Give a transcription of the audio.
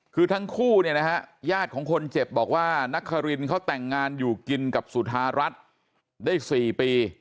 คือทั้งคู่เนี่ยนะฮะญาติของคนเจ็บบอกว่านักคารินเขาแต่งงานอยู่กินกับสุธารัฐได้๔ปี